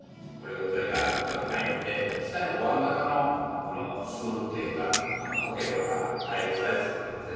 鳥がちょうど入って下におわん型の巣というかコケとか枯れ草で作るんですね。